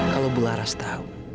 kalau bularas tau